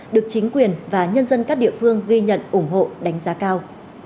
được chính quyền và nhân dân các địa phương ghi nhận ủng hộ đánh giá cao